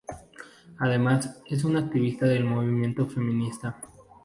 Además es una activista del movimiento feminista.